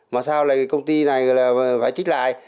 mà sao lại công ty này phải trích lại